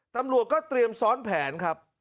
ตำรวจก็เตรียมซ้อนแผนครับ